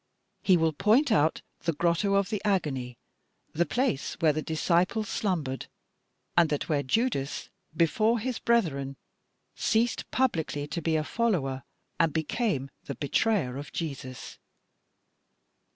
He will point out the "Grotto of the Agony," the place where the disciples slumbered, and that where Judas, before his brethren, ceased publicly to be a follower and became the betrayer of Jesus.